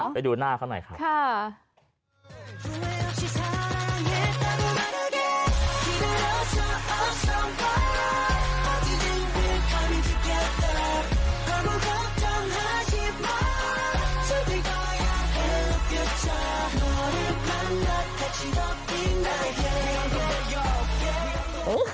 ไปดูหน้าเขาหน่อยครับ